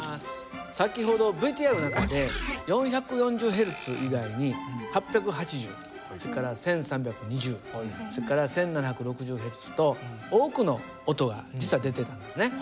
先ほどＶＴＲの中で４４０Ｈｚ以外に８８０それから１，３２０それから１，７６０Ｈｚと多くの音が実は出てたんですね。